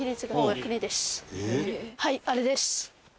はいあれです。